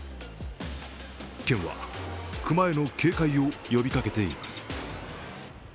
県は熊への警戒を呼びかけています。